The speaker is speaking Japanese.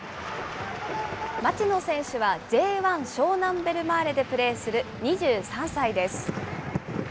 町野選手はＪ１・湘南ベルマーレでプレーする２３歳です。